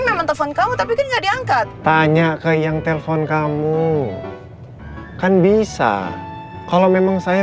nama telepon kamu tapi kan nggak diangkat tanya ke yang telpon kamu kan bisa kalau memang saya